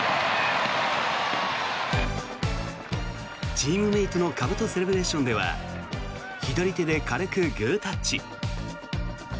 チームメートのかぶとセレブレーションでは左手で軽くグータッチ。